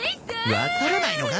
わからないのか？